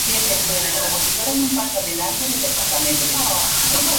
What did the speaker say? Según la especie, son de color gris, pardo o amarillento.